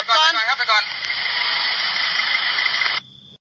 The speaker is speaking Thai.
ไปก่อนรถก่อน